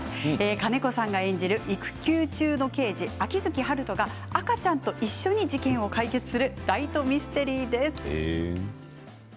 金子さんが演じる育休中の刑事秋月春風が赤ちゃんと一緒に事件を解決するライトミステリーです。